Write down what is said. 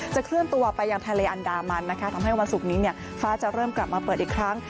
เคลื่อนตัวไปยังทะเลอันดามันนะคะทำให้วันศุกร์นี้ฟ้าจะเริ่มกลับมาเปิดอีกครั้ง